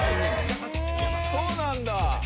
そうなんだ。